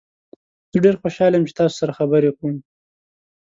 زه ډیر خوشحال یم چې تاسو سره خبرې کوم.